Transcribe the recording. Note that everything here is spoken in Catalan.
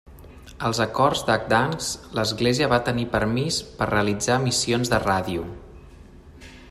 Als acords de Gdansk, l'església va tenir permís per realitzar emissions de ràdio.